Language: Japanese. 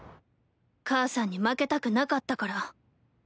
母さんに負けたくなかったから。